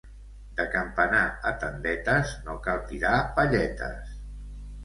De Campanar a Tendetes no cal tirar palletes.